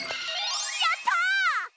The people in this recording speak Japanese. やった！